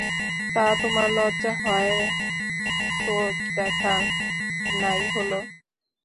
তা, তোমার লজ্জা হয় তো দেখা নাই হল।